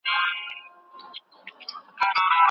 چي په تاوده سي سنګرونه د ایپي د فقیر